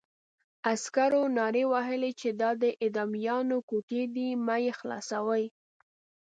عسکرو نارې وهلې چې دا د اعدامیانو کوټې دي مه یې خلاصوئ.